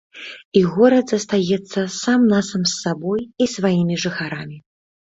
І горад застаецца сам-насам з сабой і сваімі жыхарамі.